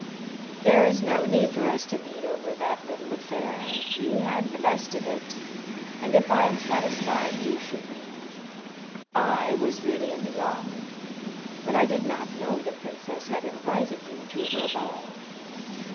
"There is no need for us to meet over that little affair. You had the best of it, and if I am satisfied you should be. I was really in the wrong, but I did not know the princess had invited you to her ball."